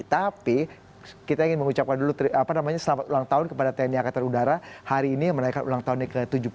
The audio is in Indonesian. tapi kita ingin mengucapkan dulu selamat ulang tahun kepada tni angkatan udara hari ini yang menaikkan ulang tahunnya ke tujuh puluh